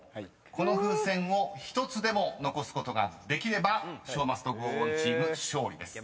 この風船を１つでも残すことができればショウ・マスト・ゴー・オンチーム勝利です］